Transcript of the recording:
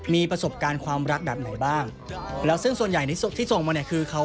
มีประสบการณ์ความรักดังไหนบ้าง